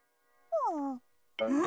うん？